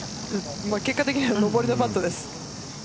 結果的には上りのパットです。